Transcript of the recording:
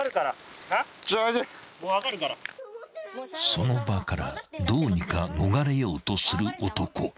［その場からどうにか逃れようとする男］